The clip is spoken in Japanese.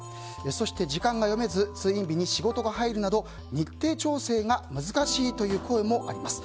そして時間が読めず通院日に仕事が入るなど日程調整が難しいという声もあります。